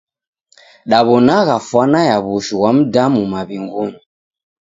Daw'onagha fwana ya w'ushu ghwa mdamu maw'ingunyi.